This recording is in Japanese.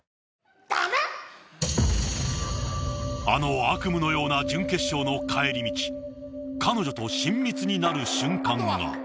あの悪夢のような準決勝の帰り道彼女と親密になる瞬間が。